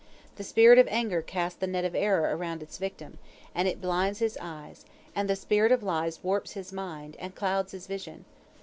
The spirit of anger casts the net of error around its victim, and it blinds his eyes, and the spirit of lies warps his mind, and clouds his vision.